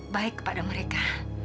baik kepada mereka